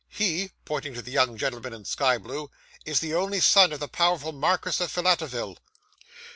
"He (pointing to the young gentleman in sky blue) is the only son of the powerful Marquess of Filletoville."